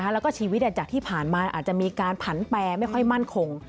แล้วก็ชีวิตจากที่ผ่านมาอาจจะมีการผันแปรไม่ค่อยมั่นคง